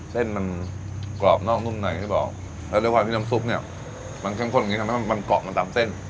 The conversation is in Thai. เส้นมันกรอบนอกนุ่มหน่อยอย่างที่บอกแล้วด้วยความที่น้ำซุปเนี่ยมันเข้มข้นแบบนี้ทำให้มันกรอบมาตามเส้น